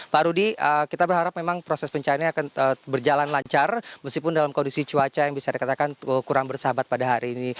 pak rudy kita berharap memang proses pencariannya akan berjalan lancar meskipun dalam kondisi cuaca yang bisa dikatakan kurang bersahabat pada hari ini